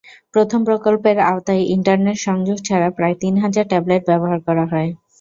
প্রথম প্রকল্পের আওতায় ইন্টারনেট সংযোগ ছাড়া প্রায় তিন হাজার ট্যাবলেট ব্যবহার করা হয়।